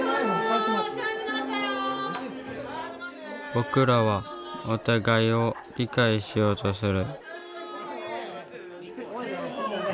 僕らはお互いを理解しようとする。